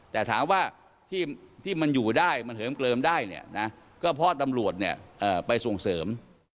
แต่ถามว่าที่มันอยู่ได้มันเหิมเกลิมได้เนี่ยนะก็เพราะตำรวจไปส่งเสริม